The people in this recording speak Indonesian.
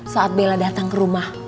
saat bella datang ke rumah